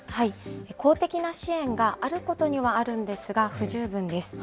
公的な支援があることにはあるんですが、不十分です。